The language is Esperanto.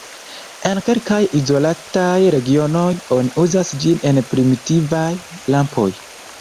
En kelkaj izolataj regionoj, oni uzas ĝin en primitivaj lampoj.